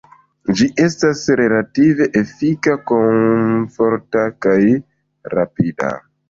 Ĝi estas relative efika, komforta kaj rapida.